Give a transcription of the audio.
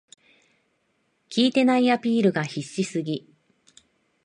効いてないアピールが必死すぎ